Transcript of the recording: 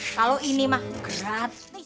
kalo ini mah gratis